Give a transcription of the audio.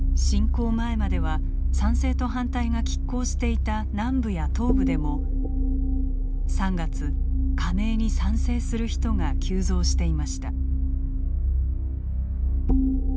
侵攻前までは賛成と反対がきっ抗していた南部や東部でも３月、加盟に賛成する人が急増していました。